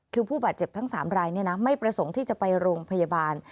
คือผู้บาดเจ็บทั้ง๓รายไม่ประสงค์ที่จะไปโรงพยาบาล